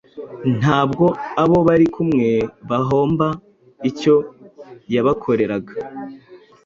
ntabwo abo bari kumwe bahomba icyo yabakoreraga